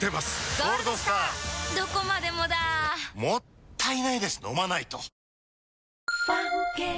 もったいないです、飲まないと。女性）